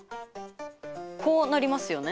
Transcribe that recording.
こうなりますよね。